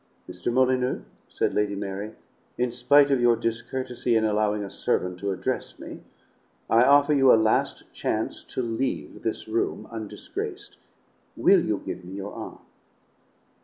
"Mr. Molyneux," said Lady Mary, "in spite of your discourtesy in allowing a servant to address me, I offer you a last chance to leave this room undisgraced. Will you give me your arm?"